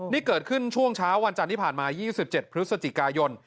นี่เกิดขึ้นช่วงเช้าวันจันทร์ที่ผ่านมา๒๗พฤศจิกายน